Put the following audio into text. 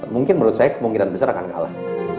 mungkin menurut saya kemungkinan besar akan kalah